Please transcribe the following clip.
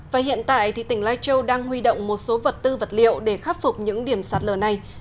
và hiện tại tỉnh lai châu đang huy động một số vật tư vật liệu để khắc phục những điểm sạt lở này